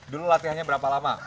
dulu latihannya berapa lama